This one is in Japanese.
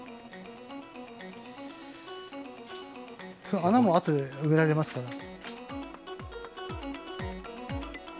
その穴もあとで埋められますから。